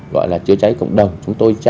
gọi là chữa cháy cộng đồng